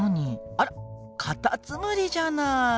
あらカタツムリじゃない。